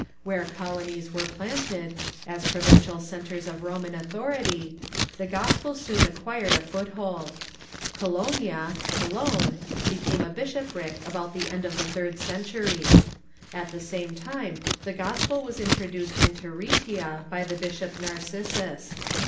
Where colonies were planted, as provincial centres of Roman authority, the Gospel soon acquired a foothold. Colonia (Cologne) became a bishopric about the end of the third century. At the same time the gospel was introduced into Rhastia by the bishop Narcissus.